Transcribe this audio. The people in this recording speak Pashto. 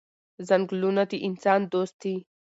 ځنګلونه د انسان دوست دي.